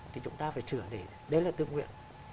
thì chúng ta phải sửa để đấy là tư nguyện